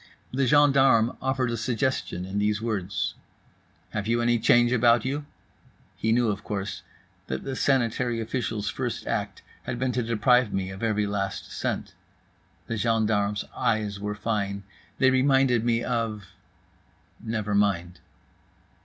The gendarme offered a suggestion, in these words: "Have you any change about you?" He knew, of course, that the sanitary official's first act had been to deprive me of every last cent. The gendarme's eyes were fine. They reminded me of … never mind.